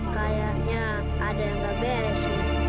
kayaknya ada yang gak beres